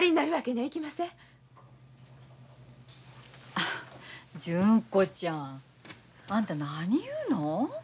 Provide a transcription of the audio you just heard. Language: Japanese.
あ純子ちゃんあんた何言うの？